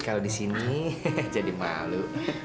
kalau di sini jadi malu